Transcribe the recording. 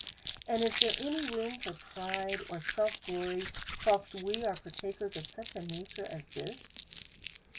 And is there any room for pride or self glory, whilst we are partakers of such a nature as this